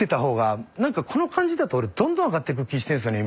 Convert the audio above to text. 何かこの感じだと俺どんどん上がってく気してんすよね